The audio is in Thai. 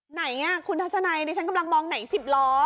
ไหนคุณทัศนัยดิฉันกำลังมองไหน๑๐ล้อ